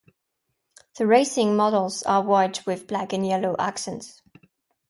The "Racing" models are white with black and yellow accents.